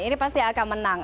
ini pasti akan menang